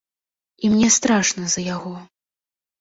І мне страшна за яго.